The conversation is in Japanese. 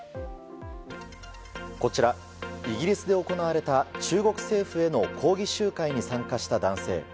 こちら、イギリスで行われた中国政府への抗議集会に参加した男性。